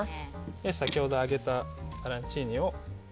先ほど揚げたアランチーニを。